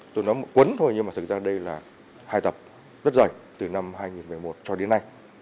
tôi nói một cuốn thôi nhưng mà thực ra đây là hai tập rất dày từ năm hai nghìn một mươi một cho đến nay